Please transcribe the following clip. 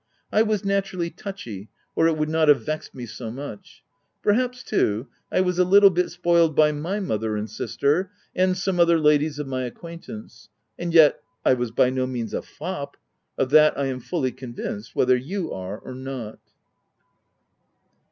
I was naturally touchy, or, it would not have vexed me so much. Per haps, too, I was a little bit spoiled by my OP WlLDFELL MALL* 61 mother and sister, and some other ladies of my acquaintance ;— and yet, I was by no means a fop — of that I am fully convinced, whether you are or not.